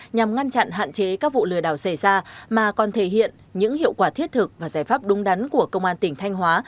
nhằm ngăn chặn hạn chế các vụ lừa đảo xảy ra mà còn thể hiện những hiệu quả thiết thực và giải pháp đúng đắn của công an tỉnh thanh hóa